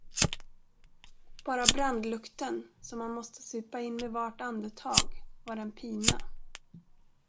Bara brandlukten, som han måste supa in med vart andetag, var en pina.